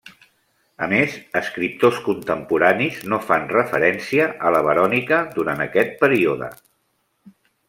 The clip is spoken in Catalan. A més, escriptors contemporanis no fan referència a la Verònica durant aquest període.